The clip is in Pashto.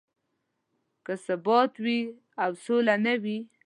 که ثبات وي او سوله نه وي.